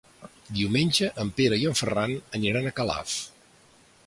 Diumenge en Pere i en Ferran aniran a Calaf.